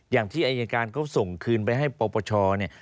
อย่างที่อายการเขาส่งคืนไปให้ปปชเนี่ย